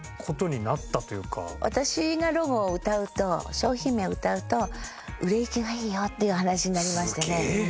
商品名を歌うと売れ行きがいいよっていう話になりましてね。